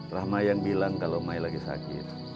rahma yang bilang kalau mai lagi sakit